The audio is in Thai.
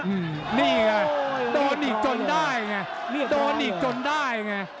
โอ้โหโดนอีกจนได้ไงโดนอีกจนได้ไง